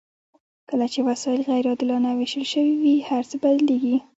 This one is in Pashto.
کله چې وسایل غیر عادلانه ویشل شوي وي هرڅه بدلیږي.